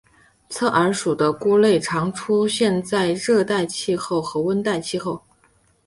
侧耳属的菇类常出现在热带气候和温带气候。